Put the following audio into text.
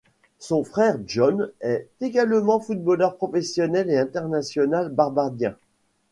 Son frère Jon est également footballeur professionnel et international barbadien.